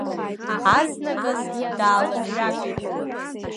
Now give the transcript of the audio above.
Азныказ даалакҩакит.